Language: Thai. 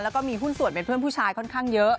แล้วก็มีหุ้นส่วนเป็นเพื่อนผู้ชายค่อนข้างเยอะ